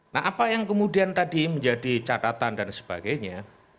nah apa yang kemudian tadi menjadi catatan dan sebagainya